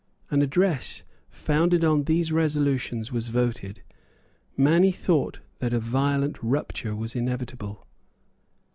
An address founded on these resolutions was voted; many thought that a violent rupture was inevitable.